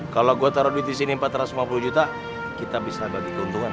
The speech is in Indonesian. kalau gue taruh duit di sini empat ratus lima puluh juta kita bisa bagi keuntungan